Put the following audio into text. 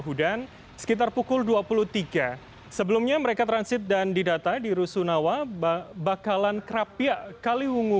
hujan sekitar pukul dua puluh tiga sebelumnya mereka transit dan didata di rusunawa bakalan krapia kaliwungu